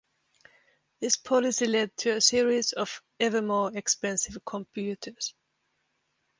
This policy led to a series of ever more expensive computers.